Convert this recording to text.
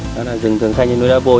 đó là rừng thường xanh như núi đá vôi